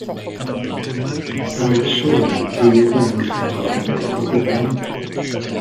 Yr oedd Siôn yn ddeg oed cyn gweld y môr o gwbl.